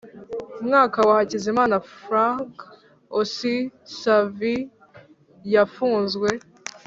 mwaka wa Hakizimana Franc ois Xavier yafunzwe